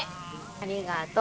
ありがとう。